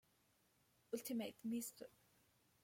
Ultimate, Mr.